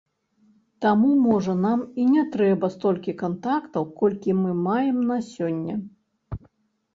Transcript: Таму, можа, нам і не трэба столькі кантактаў, колькі мы маем на сёння.